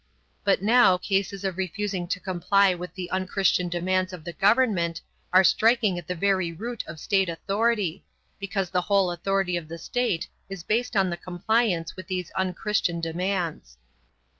But now cases of refusing to comply with the unchristian demands of the government are striking at the very root of state authority, because the whole authority of the state is based on the compliance with these unchristian demands.